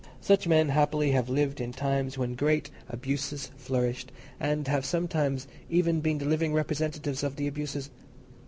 Such men, happily, have lived in times when great abuses flourished, and have sometimes even been the living representatives of the abuses.